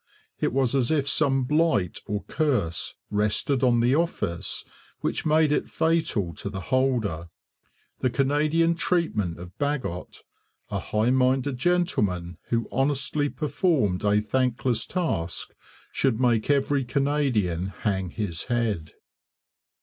It was as if some blight or curse rested on the office which made it fatal to the holder. The Canadian treatment of Bagot, a high minded gentleman who honestly performed a thankless task, should make every Canadian hang his head.